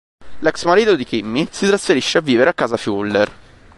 L'ex marito di Kimmy si trasferisce a vivere a casa Fuller.